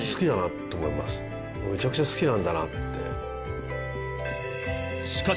めちゃくちゃ好きなんだなって。